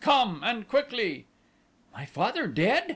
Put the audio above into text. Come, and quickly!" "My father dead?"